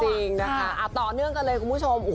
จริงนะคะต่อเนื่องกันเลยคุณผู้ชม